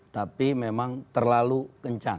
tapi memang terlalu kencang